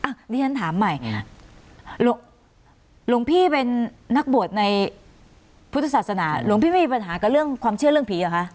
อันนี้ฉันถามใหม่หลวงพี่เป็นนักบวชในพุทธศาสนาหลวงพี่ไม่มีปัญหากับเรื่องความเชื่อเรื่องผีเหรอคะ